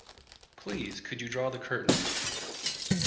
Please could you draw the curtains?